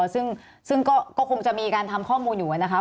ซึ่งก็คงจะมีการทำข้อมูลอยู่นะคะ